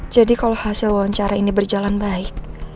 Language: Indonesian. jadi kalau hasil wawancara ini berjalan baik